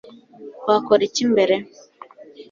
twakora iki mbere